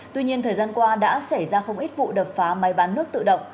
tuy nhiên thời gian qua đã xảy ra không ít vụ đập phá máy bán nước tự động